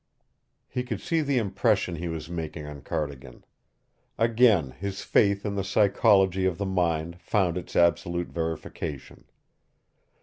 He could see the impression he was making on Cardigan. Again his faith in the psychology of the mind found its absolute verification.